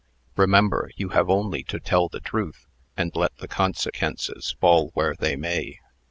"Remember, you have only to tell the trewth, and let the consekences fall where they may.